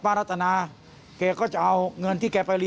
วัดนี้ครับ